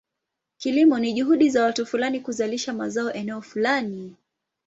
Kilimo ni juhudi za watu fulani kuzalisha mazao eneo fulani.